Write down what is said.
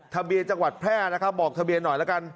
ทะเบียนจังหวัดแพร่นะครับบอกทะเบียนหน่อยละกัน